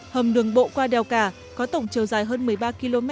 hầm đường bộ qua đèo cả có tổng chiều dài hơn một mươi ba km